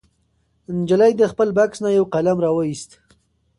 نجلۍ د خپل بکس نه یو قلم راوویست.